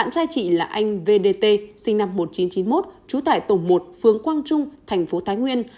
cha chị là anh v d t sinh năm một nghìn chín trăm chín mươi một trú tại tổng một phường quang trung thành phố thái nguyên